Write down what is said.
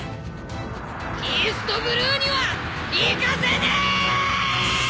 イーストブルーには行かせねえーッ！